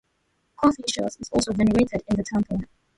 Confucius is also venerated in the temple.